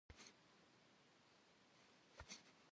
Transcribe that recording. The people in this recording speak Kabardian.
Yêse seğêyş.